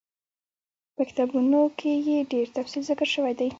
په کتابونو کي ئي ډير تفصيل ذکر شوی دی